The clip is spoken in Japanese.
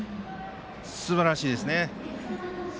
すばらしいですね。